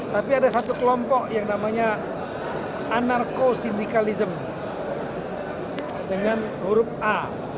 tapi ada satu kelompok yang namanya anarko sindikalism dengan huruf a